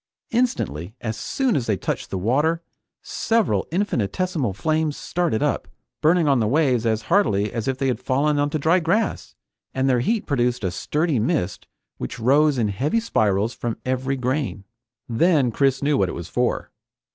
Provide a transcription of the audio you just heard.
Instantly, as soon as they touched the water, several infinitesimal flames started up, burning on the waves as hardily as if they had fallen onto dry grass, and their heat produced a sturdy mist which rose in heavy spirals from every grain. Then Chris knew what it was for.